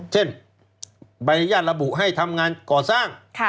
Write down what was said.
เช่นใบอนุญาตระบุให้ทำงานก่อสร้าง